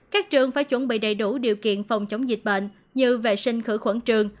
các trường phải chuẩn bị đầy đủ điều kiện phòng chống dịch bệnh như vệ sinh khử khuẩn trường